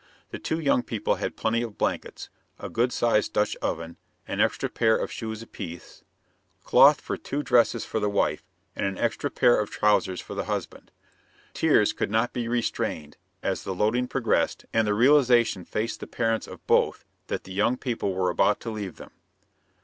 The two young people had plenty of blankets, a good sized Dutch oven, an extra pair of shoes apiece, cloth for two dresses for the wife, and an extra pair of trousers for the husband. Tears could not be restrained as the loading progressed and the realization faced the parents of both that the young people were about to leave them.